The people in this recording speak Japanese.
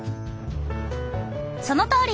そのとおり！